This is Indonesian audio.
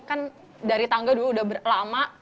kan dari tangga dulu udah lama